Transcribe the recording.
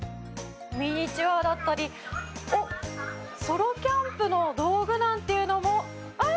ミニチュアだったりソロキャンプの道具なんていうのも。